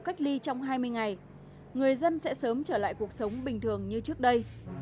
cách ly trong hai mươi ngày người dân sẽ sớm trở lại cuộc sống bình thường như trước đây